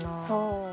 そう。